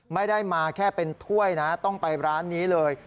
ไม่ได้มาแค่เป็นถ้วยนะต้องไปร้านนี้เลย